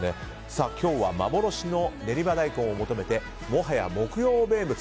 今日は幻の練馬大根を求めてもはや木曜名物